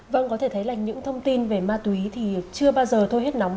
vâng có thể thấy là những thông tin về ma túy thì chưa bao giờ thôi hết nóng